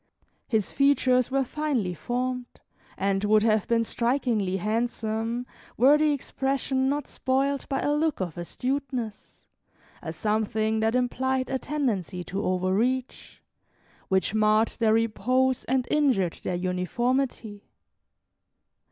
His features were finely formed, and would have been strikingly handsome, were the expression not spoiled by a look of astuteness, a something that implied a tendency to overreach, which marred their repose and injured their uniformity.